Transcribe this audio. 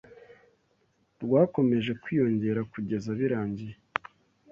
rwakomeje kwiyongera kugeza birangiye